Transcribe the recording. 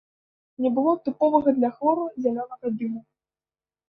Не было тыповага для хлору зялёнага дыму.